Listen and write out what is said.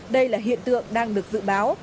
đây là hiện tượng đang được dự báo